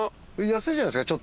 安いじゃないですか。